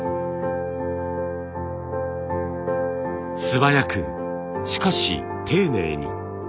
素早くしかし丁寧に。